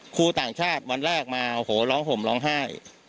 ต่างชาติวันแรกมาโอ้โหร้องห่มร้องไห้